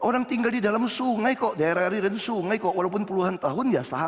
pemindahan bila itu